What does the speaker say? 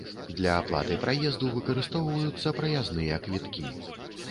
Для аплаты праезду выкарыстоўваюцца праязныя квіткі.